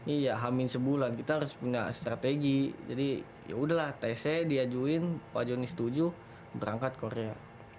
iya hamin sebulan kita harus punya strategi jadi yaudahlah tc diajuin pak joni setuju berangkat korea